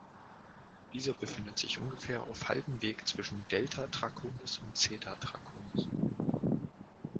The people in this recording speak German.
Dieser befindet sich ungefähr auf halbem Weg zwischen Delta Draconis und Zeta Draconis.